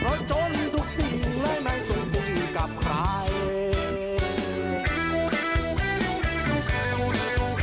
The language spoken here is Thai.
เพราะจนทุกสิ่งเลยไม่สงสิ่งกับใคร